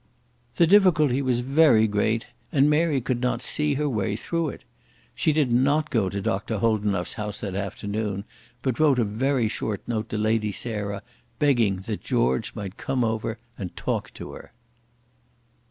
The difficulty was very great and Mary could not see her way through it. She did not go to Dr. Holdenough's house that afternoon, but wrote a very short note to Lady Sarah begging that George might come over and talk to her.